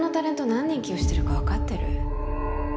何人起用してるか分かってる？